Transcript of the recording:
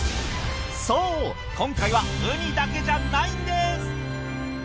そう今回はウニだけじゃないんです。